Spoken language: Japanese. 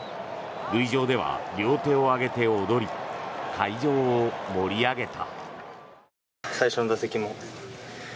塁上では両手を上げて踊り会場を盛り上げた。